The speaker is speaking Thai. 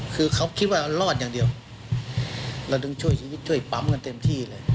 คือเขาคิดว่ารอดอย่างเดียวเราดึงช่วยชีวิตช่วยปั๊มกันเต็มที่เลย